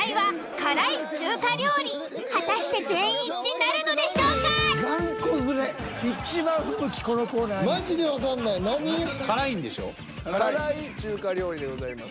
「辛い中華料理」でございます。